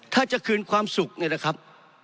ถ้าจะคืนความสุขเนี่ยนะครับ